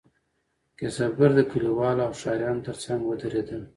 کسبګر د کلیوالو او ښاریانو ترڅنګ ودریدل.